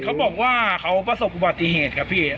เขาบอกว่าเขาประสบอุบัติเหตุครับพี่